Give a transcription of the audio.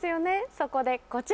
そこでこちら！